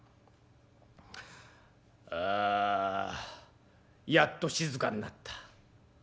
「あやっと静かになった。